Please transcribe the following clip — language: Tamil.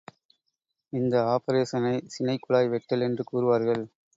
இந்த ஆப்பரேஷனைச் சினைக் குழாய் வெட்டல் என்று கூறுவார்கள்.